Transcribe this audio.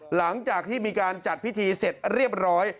หลังจากที่มีการจัดพิธีเสร็จเรียบร้อย